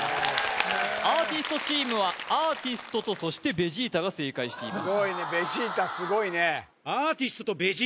アーティストチームはアーティストとそしてベジータが正解していますすごいね